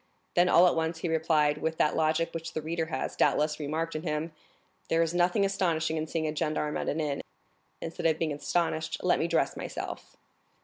Then, all at once, he replied, with that logic which the reader has, doubtless, remarked in him, "There is nothing astonishing in seeing a gendarme at an inn; instead of being astonished, let me dress myself."